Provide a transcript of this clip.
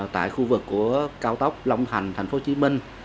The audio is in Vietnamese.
tại khu vực của cao tốc long thành thành phố hồ chí minh